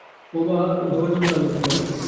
ডোবা জঙ্গল আর মুখ্যু মানুষ।